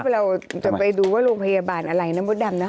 เราจะไปดูว่าโรงพยาบาลอะไรนะมดดำนะ